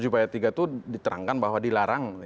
pasal tujuh puluh ayat tiga itu diterangkan bahwa dilarang